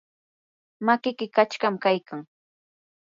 makiki qachqam kaykan.